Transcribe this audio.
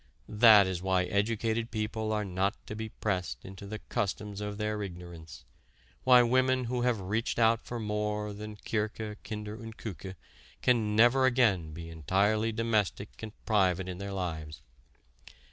That is why educated people are not to be pressed into the customs of their ignorance, why women who have reached out for more than "Kirche, Kinder und Küche" can never again be entirely domestic and private in their lives.